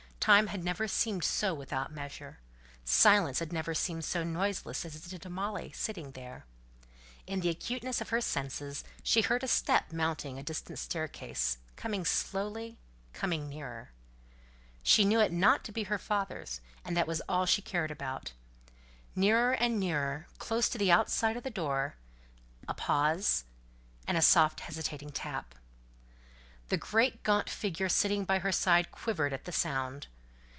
Time had never seemed so without measure, silence had never seemed so noiseless as it did to Molly, sitting there. In the acuteness of her senses she heard a step mounting a distant staircase, coming slowly, coming nearer. She knew it not to be her father's, and that was all she cared about. Nearer and nearer close to the outside of the door a pause, and a soft hesitating tap. The great gaunt figure sitting by her side quivered at the sound.